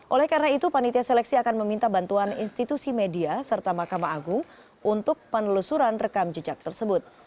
oleh karena itu panitia seleksi akan meminta bantuan institusi media serta mahkamah agung untuk penelusuran rekam jejak tersebut